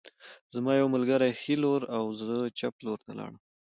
زما یو ملګری ښي لور او زه چپ لور ته لاړم